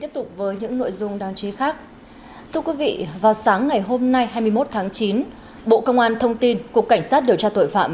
thưa quý vị vào sáng ngày hôm nay hai mươi một tháng chín bộ công an thông tin cục cảnh sát điều tra tội phạm